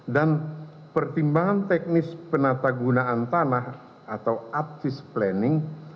dan pertimbangan teknis penata gunaan tanah atau apsis planning